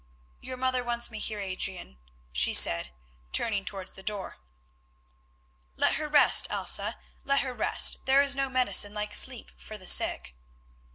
"Your mother wants me, Heer Adrian," she said, turning towards the door. "Let her rest, Elsa, let her rest; there is no medicine like sleep for the sick."